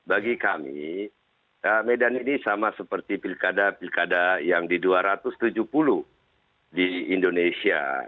bagi kami medan ini sama seperti pilkada pilkada yang di dua ratus tujuh puluh di indonesia